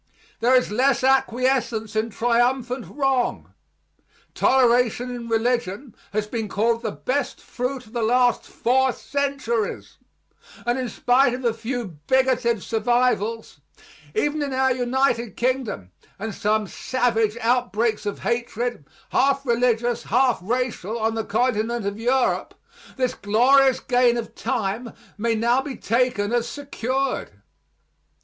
There is less acquiescence in triumphant wrong. Toleration in religion has been called the best fruit of the last four centuries, and in spite of a few bigoted survivals, even in our United Kingdom, and some savage outbreaks of hatred, half religious, half racial, on the Continent of Europe, this glorious gain of time may now be taken as secured.